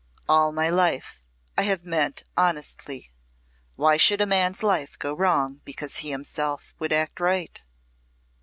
"All my life I have meant honestly. Why should a man's life go wrong because he himself would act right?"